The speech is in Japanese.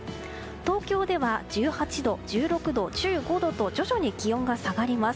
東京では１８度、１６度、１５度と徐々に気温が下がります。